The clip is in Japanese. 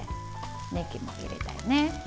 ねぎも入れたりね。